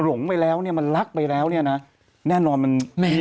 ต้องมีแต่คนในโซเชียลว่าถ้ามีข่าวแบบนี้บ่อยทำไมถึงเชื่อขนาดใด